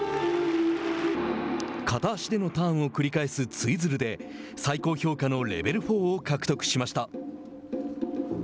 片足でのターンを繰り返すツイズルで最高評価のレベル４を獲得しました。